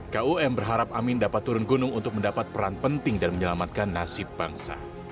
kum berharap amin dapat turun gunung untuk mendapat peran penting dan menyelamatkan nasib bangsa